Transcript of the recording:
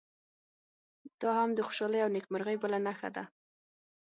دا هم د خوشالۍ او نیکمرغۍ بله نښه ده.